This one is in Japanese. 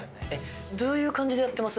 どういう感じでやってます？